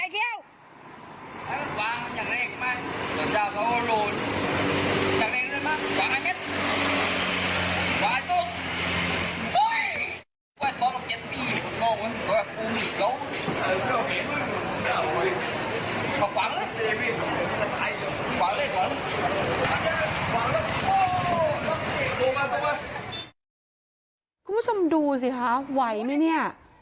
พี่สุภาพเต็มมาดูสิครับไหวไหมนี่